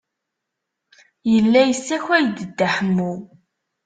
Yella yessakay-d Dda Ḥemmu.